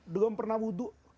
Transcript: belum pernah wudhu